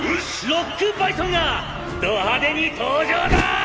ロックバイソンがド派手に登場だぁぁぁ！！